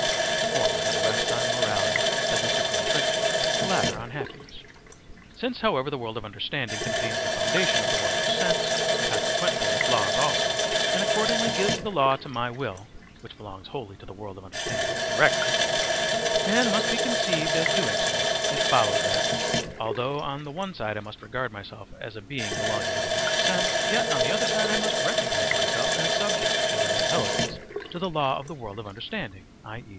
(The former would rest on morality as the supreme principle, the latter on happiness.) Since, however, the world of understanding contains the foundation of the world of sense, and consequently of its laws also, and accordingly gives the law to my will (which belongs wholly to the world of understanding) directly, and must be conceived as doing so, it follows that, although on the one side I must regard myself as a being belonging to the world of sense, yet on the other side I must recognize myself as subject as an intelligence to the law of the world of understanding, i.e.